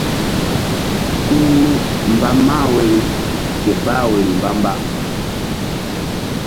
Ku ru̧ mba mah woyri ke bah woyri mba-mba.